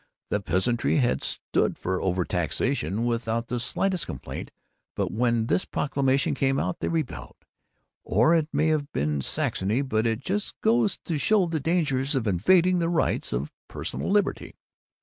The peasantry had stood for overtaxation without the slightest complaint, but when this proclamation came out, they rebelled. Or it may have been Saxony. But it just goes to show the dangers of invading the rights of personal liberty."